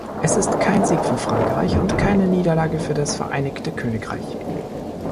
Es ist kein Sieg für Frankreich und keine Niederlage für das Vereinigte Königreich.